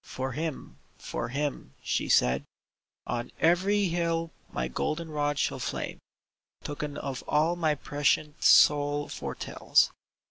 *' For him, for him," she said, ^' On every hill my golden rod shall flame, Token of all my prescient soul foretells.